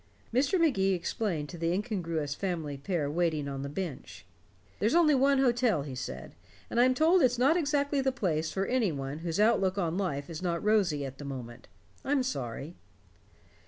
Mr. Magee explained to the incongruous family pair waiting on the bench. "There's only one hotel," he said, "and I'm told it's not exactly the place for any one whose outlook on life is not rosy at the moment. I'm sorry."